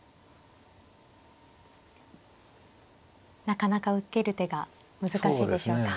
なかなか受ける手が難しいでしょうか。